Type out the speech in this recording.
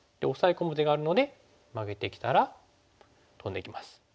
込む手があるのでマゲてきたらトンでいきます。